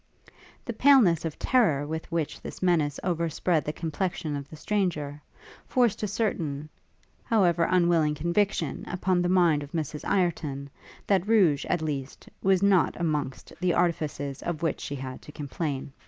The paleness of terror with which this menace overspread the complexion of the stranger, forced a certain, however unwilling conviction upon the mind of Mrs Ireton, that rouge, at least, was not amongst the artifices of which she had to complain.